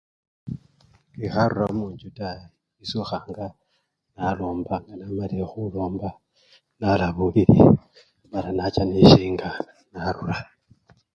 Ngekharura munjju taa, esokhanaga nalomba, nga namalile khulomba nalaa bulili mala nacha nesinga narura.